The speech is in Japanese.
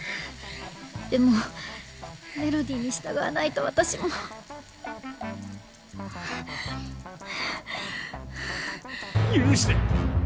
でもメロディーに従わないと私も許して。